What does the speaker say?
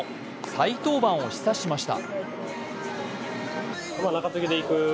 再登板を示唆しました。